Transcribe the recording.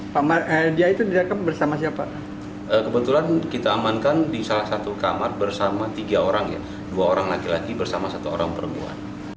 pak dia itu direkam bersama siapa